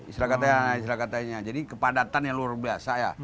istilah katanya jadi kepadatan yang luar biasa ya